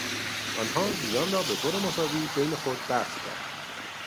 آنها زیان را به طور مساوی بین خود بخش کردند.